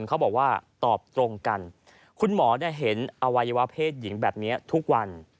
เขาบอกว่าตอบตรงกันคุณหมอเห็นอวัยวะเพศหญิงแบบนี้ทุกวัน